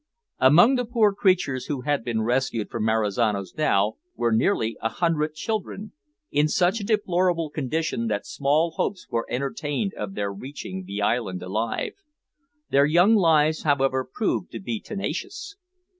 Among the poor creatures who had been rescued from Marizano's dhow were nearly a hundred children, in such a deplorable condition that small hopes were entertained of their reaching the island alive. Their young lives, however, proved to be tenacious.